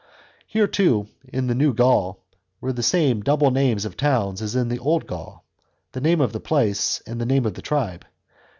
Here, too, in the new Gaul were the same double n*mes of towns as in the old Gaul, the name of the place and the name of the tribe.